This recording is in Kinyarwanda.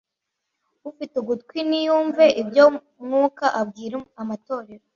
ufite ugutwi niyumve ibyo umwuka abwira amatorero